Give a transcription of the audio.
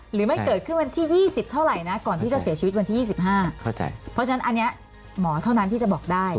หรือไม่เกิดขึ้นวันที่๒๐เท่าไหร่นะก่อนที่จะเสียชีวิตวันที่๒๕เพราะฉะนั้นอันนี้หมอเท่านั้นที่จะบอกได้